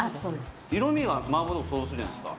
色みは麻婆豆腐想像するじゃないですか。